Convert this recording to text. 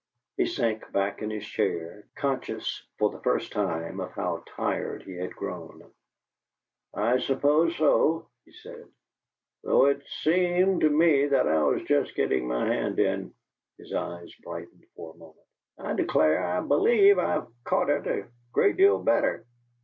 He sank back in his chair, conscious, for the first time, of how tired he had grown. "I suppose so," he said, "though it seemed to me that I was just getting my hand in." His eyes brightened for a moment. "I declare, I believe I've caught it a great deal better.